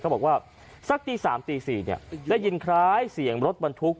เขาบอกว่าสักตีสามตีสี่เนี่ยได้ยินคล้ายเสียงรถบรรทุก